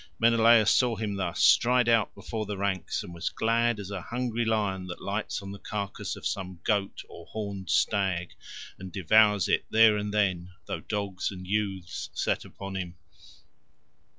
Menelaus saw him thus stride out before the ranks, and was glad as a hungry lion that lights on the carcase of some goat or horned stag, and devours it there and then, though dogs and youths set upon him.